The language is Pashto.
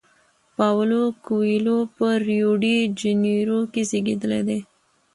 پاولو کویلیو په ریو ډی جنیرو کې زیږیدلی دی.